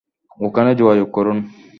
ওখানে যোগাযোগ করুন।